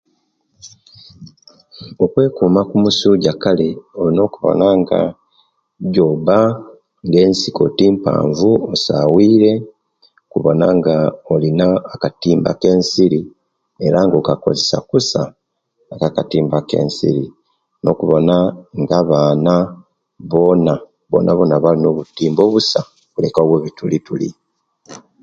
Okwekuma okumusuja kale oina okola nga ejoba nga ensiko tinpanvu osabwire kubona nga olina akatimba ke'nsiri era nga ogakozesiya kusa akatimba kensiri nokubona nga abaana bona bonabona balina obutiimba obusa okuleka obwe bitulituli